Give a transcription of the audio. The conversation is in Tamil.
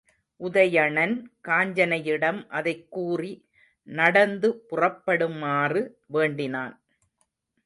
உதயணன் காஞ்சனையிடம் அதைக் கூறி நடந்து புறப்படுமாறு வேண்டினான்.